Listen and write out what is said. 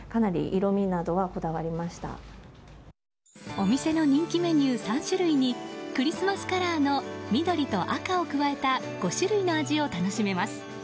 お店の人気メニュー３種類にクリスマスカラーの緑と赤を加えた５種類の味を楽しめます。